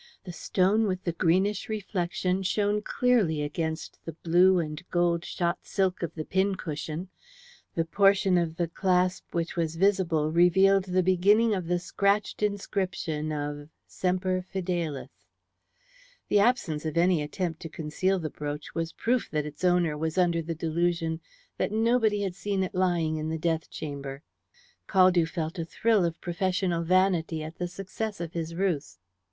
The stone with the greenish reflection shone clearly against the blue and gold shot silk of the pincushion; the portion of the clasp which was visible revealed the beginning of the scratched inscription of "Semper Fidelis." The absence of any attempt to conceal the brooch was proof that its owner was under the delusion that nobody had seen it lying in the death chamber. Caldew felt a thrill of professional vanity at the success of his ruse.